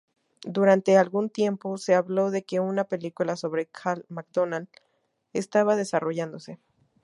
Durante algún tiempo, se habló de que una película sobre Cal McDonald estaba desarrollándose.